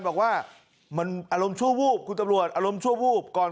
บอกว่ามันอารมณ์ชั่ววูบคุณตำรวจอารมณ์ชั่ววูบก่อน